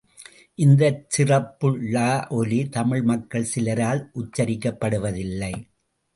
இந்தச் சிறப்பு ழ —ஒலி—தமிழ் மக்கள் சிலரால் உச்சரிக்கப்படுவதில்லை.